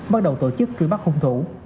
bắt đầu tổ chức truy bắt khung thủ